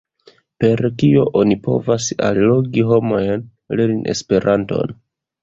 Per kio oni povas allogi homojn lerni Esperanton?